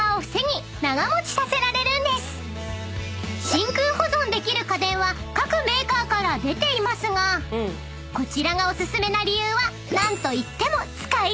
［真空保存できる家電は各メーカーから出ていますがこちらがお薦めな理由は何といっても］